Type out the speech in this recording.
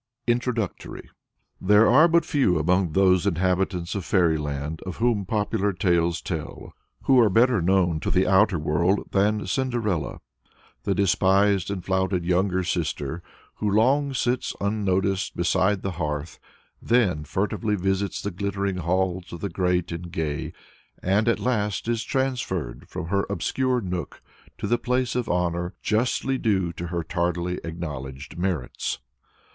INTRODUCTORY. There are but few among those inhabitants of Fairy land of whom "Popular Tales" tell, who are better known to the outer world than Cinderella the despised and flouted younger sister, who long sits unnoticed beside the hearth, then furtively visits the glittering halls of the great and gay, and at last is transferred from her obscure nook to the place of honor justly due to her tardily acknowledged merits.